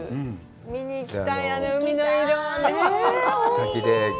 見に行きたい、あの海の色はね。